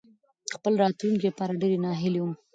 خپل راتلونکې لپاره ډېرې ناهيلې وم.